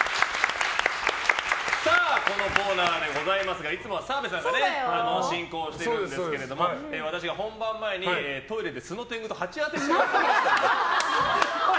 このコーナーでございますがいつもは澤部さんが進行しているんですけれども私が本番前にトイレで素の天狗と鉢合わせしてしまったので。